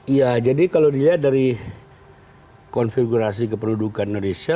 iya jadi kalau dilihat dari konfigurasi kependudukan indonesia